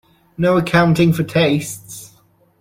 No accounting for tastes!